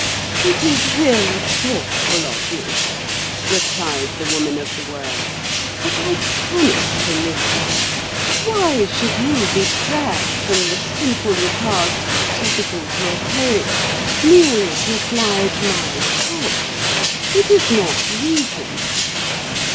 "It is really thoughtful of you," replied the Woman of the World, "but I cannot permit it. Why should you be dragged from the simple repast suitable to a poet merely to oblige my cook? It is not reason."